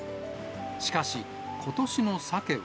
しかし、ことしのサケは。